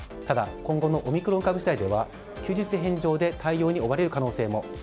ただ今後のオミクロン株次第では休日返上で対応に追われる可能性も。